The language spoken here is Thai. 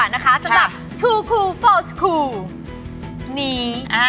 นี้